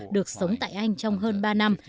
được sống tại anh trong hơn ba năm